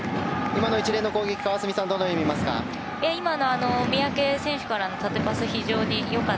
今の一連の攻撃川澄さん、どのように見ますか？